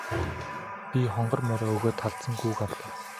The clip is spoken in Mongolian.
Би хонгор морио өгөөд халзан гүүг авлаа.